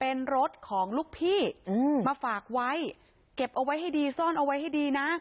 เป็นรถของลูกพี่มาฝากไว้เก็บเอาไว้ให้ดีซ่อนเอาไว้ให้ดีนะ